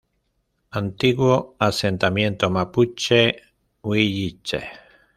Antiguo asentamiento mapuche-huilliche.